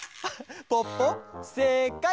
ポッポせいかい！